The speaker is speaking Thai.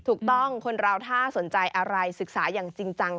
คนเราถ้าสนใจอะไรศึกษาอย่างจริงจัง